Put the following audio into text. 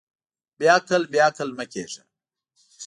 بېعقل، بېعقل مۀ کېږه.